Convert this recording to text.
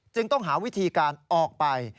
ต้องหาวิธีการออกไป